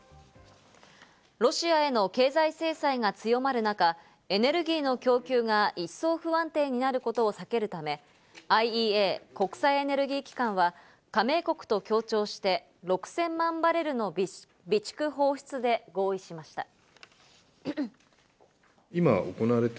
ロシアへの経済制裁が強まる中、エネルギーの供給が一層不安定になることを避けるため、ＩＥＡ＝国際エネルギー機関は加盟国と協調して６０００万バレルの備蓄放出で合意しました。